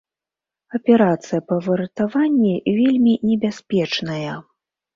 Аперацыя па выратаванні вельмі небяспечная.